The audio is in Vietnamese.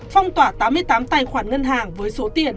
phong tỏa tám mươi tám tài khoản ngân hàng với số tiền